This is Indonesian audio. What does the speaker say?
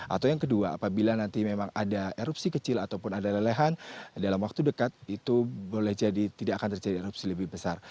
atau yang kedua apabila nanti memang ada erupsi kecil ataupun ada lelehan dalam waktu dekat itu boleh jadi tidak akan terjadi erupsi lebih besar